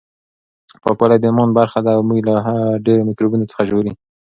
پاکوالی د ایمان برخه ده او موږ له ډېرو میکروبونو څخه ژغوري.